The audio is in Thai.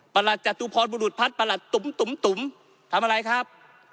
จตุพรบุรุษพัฒน์ประหลัดตุ๋มทำอะไรครับ